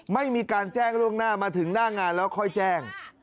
ไม่มีการแจ้งล่วงหน้ามาถึงหน้างานแล้วค่อยแจ้ง